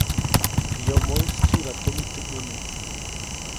Teʼ yomoʼis tsyiba tumin teʼ ʼyune.